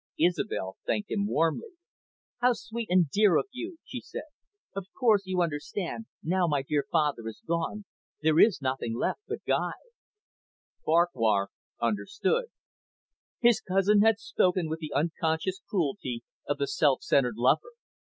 Isobel thanked him warmly. "How sweet and dear of you," she said. "Of course you understand, now my dear father is gone, there is nothing left but Guy." Farquhar understood. His cousin had spoken with the unconscious cruelty of the self centred lover.